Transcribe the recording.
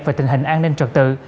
về tình hình an ninh trật tự